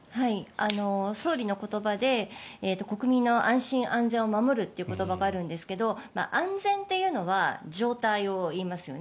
総理の言葉で国民の安心安全を守るという言葉があるんですが安全というのは状態を言いますよね。